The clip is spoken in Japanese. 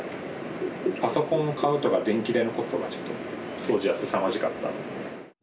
パソコンを買うとか電気代のコストがちょっと当時はすさまじかったので。